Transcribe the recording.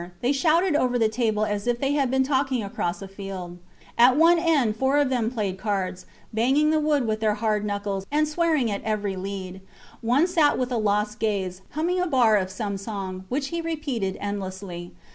They shouted over the table as if they had been talking across a field. At one end four of them played cards, banging the wood with their hard knuckles, and swearing at every lead. One sat with a lost gaze, humming a bar of some song, which he repeated endlessly.